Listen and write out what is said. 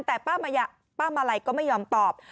แต่ป้ามะไหล่ก็ไม่ยอมตอบ